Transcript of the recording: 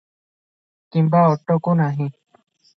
କିମ୍ବା ଅଟକୁ ନାହିଁ ।